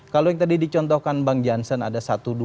kalau yang tadi dicontohkan bang jansen ada satu dua